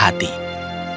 dia tidak baik hati